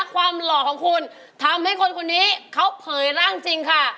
หล่อของคุณทำให้คนคนนี้เขาเผยร่างจริงค่ะ